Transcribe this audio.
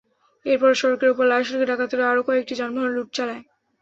এরপরও সড়কের ওপর লাশ রেখে ডাকাতেরা আরও কয়েকটি যানবাহনে লুট চালায়।